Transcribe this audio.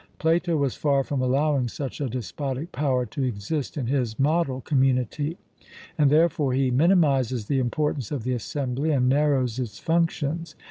Plato was far from allowing such a despotic power to exist in his model community, and therefore he minimizes the importance of the Assembly and narrows its functions.